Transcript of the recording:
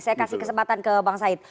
saya kasih kesempatan ke bang said